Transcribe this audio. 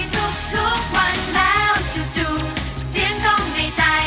ทุกวันแล้วจู่เสียงทรงในใจ